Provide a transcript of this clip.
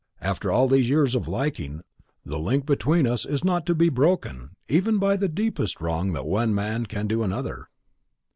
After all these years of liking, the link between us is not to be broken, even by the deepest wrong that one man can do another."